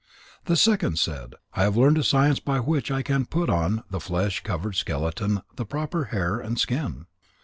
The second said: "I have learned a science by which I can put on the flesh covered skeleton the proper hair and skin."